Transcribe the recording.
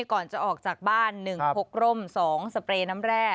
ก่อนจะออกจากบ้าน๑พกร่ม๒สเปรย์น้ำแร่